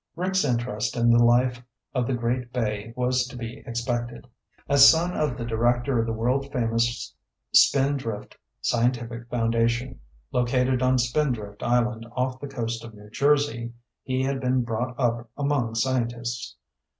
Rick's interest in the life of the great bay was to be expected. As son of the director of the world famous Spindrift Scientific Foundation, located on Spindrift Island off the coast of New Jersey, he had been brought up among scientists.